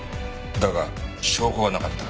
だが証拠がなかった。